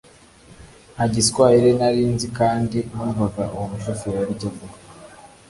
nta giswayire nari nzi kandi numvaga uwo mushoferi aricyo avuga